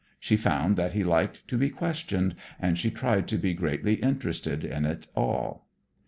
She found that he liked to be questioned, and she tried to be greatly interested in it all.